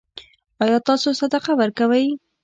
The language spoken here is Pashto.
ایا تاسو صدقه ورکوئ؟